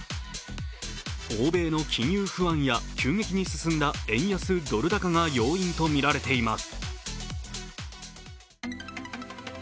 欧米の金融不安や急激に進んだ円安ドル高が要因とみられています。